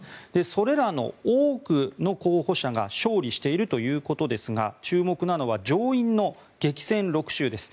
それらの多くの候補者が勝利しているということですが注目なのは上院の激戦６州です。